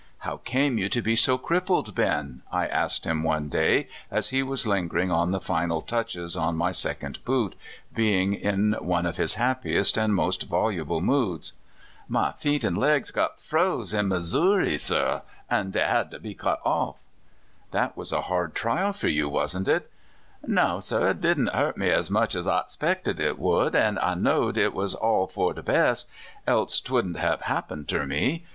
*' How came you to be so crippled, Ben?" I asked him one day as he was lingering on the final touches on my second boot, being in one of his happiest and most voluble moods. " My feet and legs got froze in Mizzoory, sir, an' dev had to be cut off." " That was a hard trial for you, wasn't it? "" No, sir; it didn't hurt me as much as I 'spected it would; an' I know'd it was all for de bes', else 'twouldn't have happened ter me.